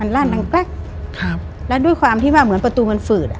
และด้วยความที่ว่าเหมือนประตูมันฝืด